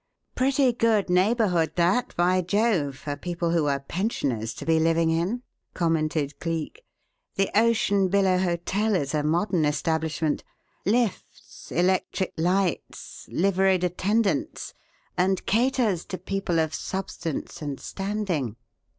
'" "Pretty good neighbourhood that, by Jove! for people who were 'pensioners' to be living in," commented Cleek. "The Ocean Billow Hotel is a modern establishment lifts, electric lights, liveried attendants, and caters to people of substance and standing."